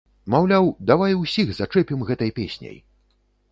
Маўляў, давай, усіх зачэпім гэтай песняй!